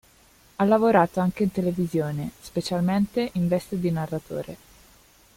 Ha lavorato anche in televisione, specialmente in veste di narratore.